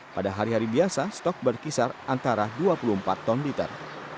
pada hari hari biasa stok berkisar antara dua puluh empat ton liter